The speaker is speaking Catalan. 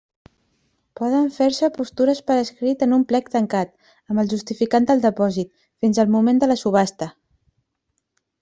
Poden fer-se postures per escrit en un plec tancat, amb el justificant del depòsit, fins al moment de la subhasta.